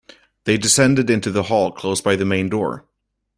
They descended into the hall close by the main door.